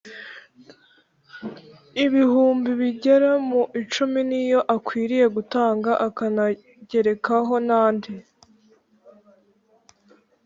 Ibihumbi bigera mu icumi niyo akwiriye gutanga akanagerekaho n’andi